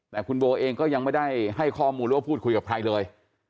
แต่คุณโบเองก็ยังไม่ได้ให้ข้อมูลหรือว่าพูดคุยกับใครเลย